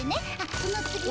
その次は。